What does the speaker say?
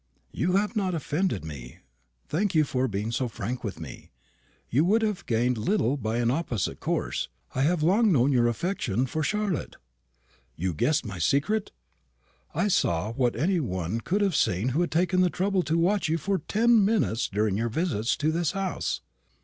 "You have not offended me. I thank you for being so frank with me. You would have gained little by an opposite course. I have long known your affection for Charlotte." "You guessed my secret?" "I saw what any one could have seen who had taken the trouble to watch you for ten minutes during your visits to this house."